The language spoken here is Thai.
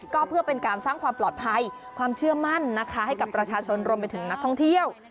ก็เพื่อเป็นการสร้างความปลอดภัยความเชื่อมั่นนะคะให้กับประชาชนรวมไปถึงนักท่องเที่ยว